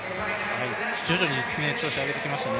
徐々に調子を上げてきましたね。